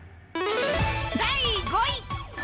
第５位。